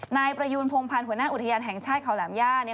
นายประยูนพงพันธ์หัวหน้าอุทยานแห่งชาติเขาแหลมย่า